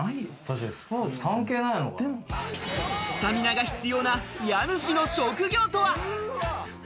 スタミナが必要な家主の職業とは？